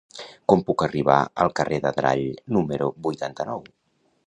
Com puc arribar al carrer d'Adrall número vuitanta-nou?